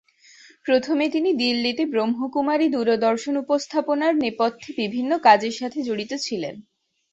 প্রথমে তিনি দিল্লীতে ব্রহ্ম কুমারী দূরদর্শন উপস্থাপনার নেপথ্যে বিভিন্ন কাজের সাথে জড়িত ছিলেন।